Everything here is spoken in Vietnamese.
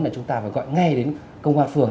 là chúng ta phải gọi ngay đến công an phường